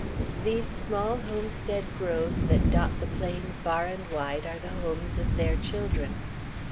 These small homestead groves that dot the plain far and wide are the homes of their children.